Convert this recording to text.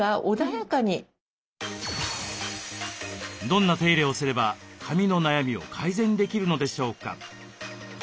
どんな手入れをすれば髪の悩みを改善できるのでしょうか？